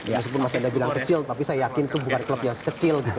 meskipun mas chandra bilang kecil tapi saya yakin itu bukan klub yang kecil gitu